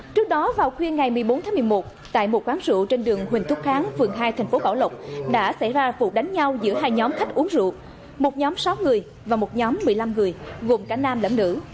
trước đó vào khuya ngày một mươi bốn tháng một mươi một tại một quán rượu trên đường huỳnh thúc kháng phường hai thành phố bảo lộc đã xảy ra vụ đánh nhau giữa hai nhóm khách uống rượu một nhóm sáu người và một nhóm một mươi năm người gồm cả nam lẫn nữ